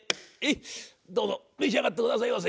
どうぞ召し上がってくださいませ。